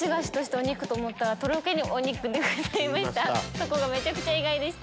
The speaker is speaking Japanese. そこがめちゃくちゃ意外でした。